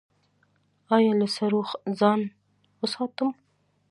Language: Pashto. ایا له سړو ځان وساتم؟